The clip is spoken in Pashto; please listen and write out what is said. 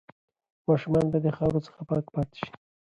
ماشومان باید د خاورو څخه پاک پاتې شي.